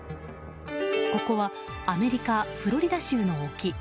ここはアメリカ・フロリダ州の沖。